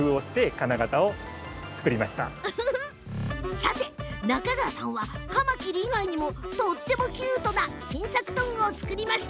さて中川さん、カマキリ以外にもとってもキュートな新作トングを作りました。